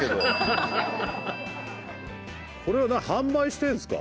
これは販売してるんですか？